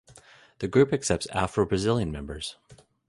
The group accepts Afro-Brazilian members.